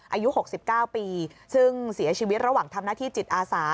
อายุ๖๙ปีซึ่งเสียชีวิตระหว่างทำหน้าที่จิตอาสา